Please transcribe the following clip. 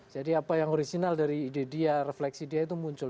jadi apa yang original dari ide dia refleksi dia itu muncul